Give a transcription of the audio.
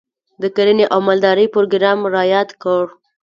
د کرنې او مالدارۍ پروګرام رایاد کړ.